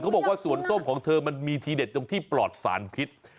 บอกว่าสวนส้มของเธอมันมีทีเด็ดตรงที่ปลอดสารพิษ